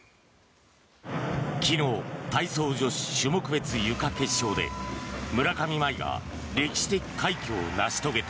昨日体操女子種目別ゆか決勝で村上茉愛が歴史的快挙を成し遂げた。